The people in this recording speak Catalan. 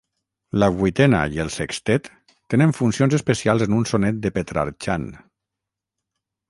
La vuitena i el sextet tenen funcions especials en un sonet de Petrarchan.